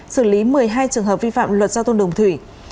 xử lý một mươi hai trường hợp vi phạm luật giao thông đồng thủy